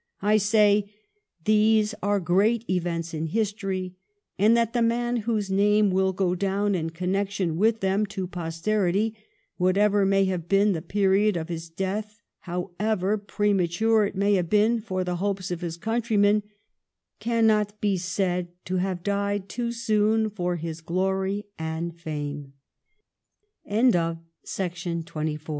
I say, these are great events in history, and that the man whose name wQl go down in connection with l^em to posterity, whatever may have been the period of his death, however premature it may have been for the hopes of his countrymen, cannot be said to have died too soon for his glory a